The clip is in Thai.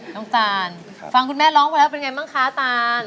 อ๋อน้องต่านฟังคุณแม่ร้องพอแล้วเป็นไงบ้างคะต่าน